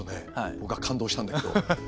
僕は感動したんだけど。